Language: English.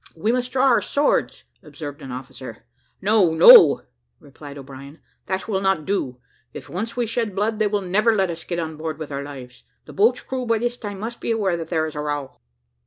"We must draw our swords," observed an officer. "No, no," replied O'Brien, "that will not do; if once we shed blood, they will never let us get on board with our lives. The boat's crew by this time must be aware that there is a row."